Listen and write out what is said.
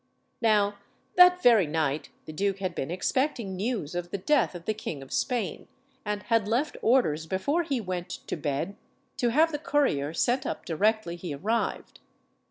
Now that very night the duke had been expecting news of the death of the King of Spain, and had left orders before he went to bed to have the courier sent up directly he arrived.